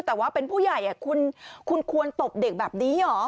แต่ว่าเป็นผู้ใหญ่คุณควรตบเด็กแบบนี้เหรอ